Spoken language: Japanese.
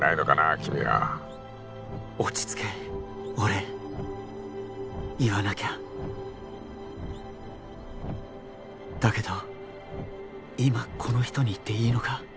君は落ち着け俺言わなきゃだけど今この人に言っていいのか？